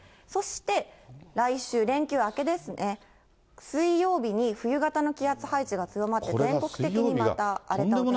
そして来週、連休明けですね、水曜日に冬型の気圧配置が強まって全国的にはまた荒れて。